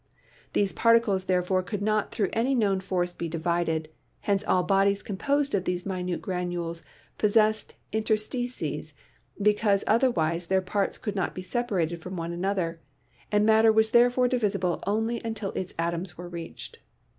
These particles therefore could not through any known force be divided, hence all bodies composed of these minute granules possessed interstices, because otherwise their parts could not be separated from one another, and matter was therefore divisible only until its atoms were reached.